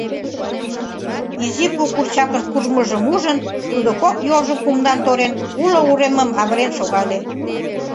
Изи пу курчакын куржмыжым ужын, тудо кок йолжым кумдан торен, уло уремым авырен шогале.